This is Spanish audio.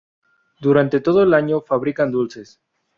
Durante todo el año fabrican dulces.